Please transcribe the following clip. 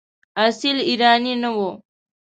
اصیل ایرانی نه وو.